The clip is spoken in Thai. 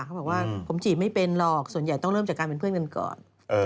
เขาบอกว่าผมจีบไม่เป็นหรอกส่วนใหญ่ต้องเริ่มจากการเป็นเพื่อนกันก่อน